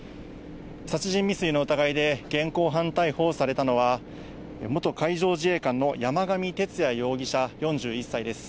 殺人未遂の疑いで現行犯逮捕されたのは、元海上自衛官の山上徹也容疑者４１歳です。